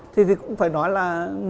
thì cũng phải nói là